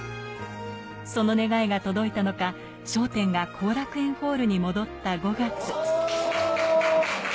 その願いが届いたのか、笑点が後楽園ホールに戻った５月。